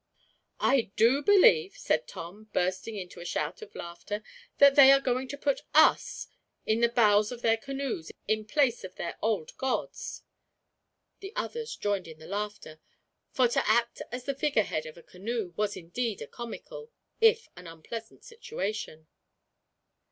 "I do believe," said Tom, bursting into a shout of laughter, "that they are going to put us in the bows of their canoes, in place of their old gods." The others joined in the laughter, for to act as the figurehead of a canoe was indeed a comical, if an unpleasant situation.